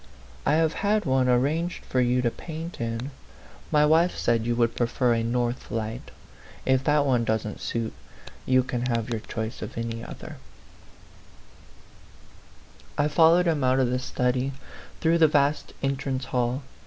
" I have had one arranged for you to paint in. My wife said you would prefer a north light. If that one doesn't suit, you can have your choice of any other." 16 A PHANTOM LOVER I followed him out of the study, through the vast entrance hall.